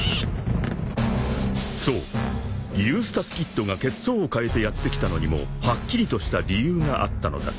［そうユースタス・キッドが血相を変えてやって来たのにもはっきりとした理由があったのだ］